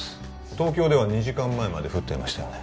東京では２時間前まで降っていましたよね